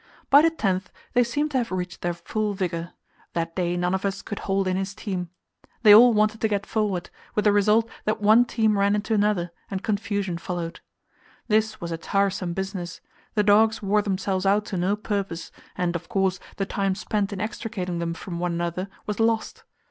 By the 10th they seemed to have reached their full vigour; that day none of us could hold in his team. They all wanted to get forward, with the result that one team ran into another, and confusion followed. This was a tiresome business; the dogs wore themselves out to no purpose, and, of course, the time spent in extricating them from one another was lost.